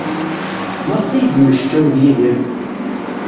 Maɣef ay yemmecčaw ed Yidir?